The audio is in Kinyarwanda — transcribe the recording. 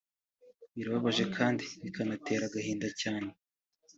Birababaje kandi bikanatera agahinda cyane